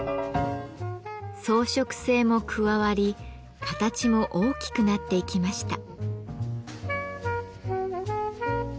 装飾性も加わり形も大きくなっていきました。